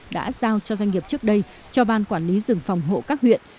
đã giao cho doanh nghiệp trước đây cho ban quản lý rừng phòng hộ các huyện